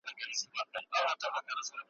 ته کامیاب یې تا تېر کړی تر هرڅه سخت امتحان دی ,